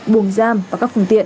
buồn giam và các phòng tiện